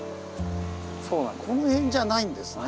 この辺じゃないんですね。